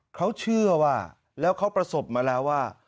เขาเชื่อว่าแล้วเขาประสบมาแล้วว่า